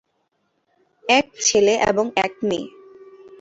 এক ছেলে এবং এক মেয়ে।